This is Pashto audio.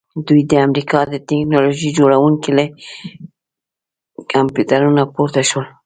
دوی د امریکا د ټیکنالوژۍ جوړونکي له کمپیوټرونو پورته شول